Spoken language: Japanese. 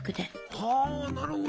はあなるほど。